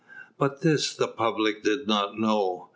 But this the public did not know.